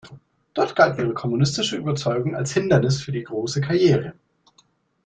Dort galt ihre kommunistische Überzeugung als Hindernis für die große Karriere.